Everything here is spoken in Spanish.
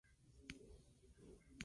Esto es lo malo.